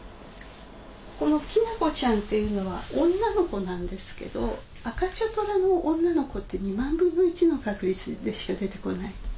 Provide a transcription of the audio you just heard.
このキナコちゃんっていうのは女の子なんですけど赤茶トラの女の子って２万分の１の確率でしか出てこない。